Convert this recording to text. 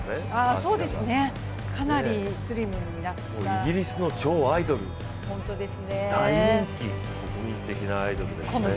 イギリスの超アイドル、大人気、国民的なアイドルですね。